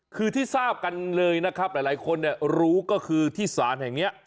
คือที่ทราบกันเลยนะครับหลายคนรู้ก็คือที่ศาลแห่งนี้